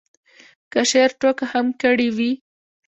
که شاعر ټوکه هم کړې وي.